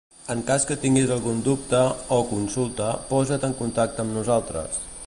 En cas que tinguis algun dubte o consulta posa't en contacte amb nosaltres.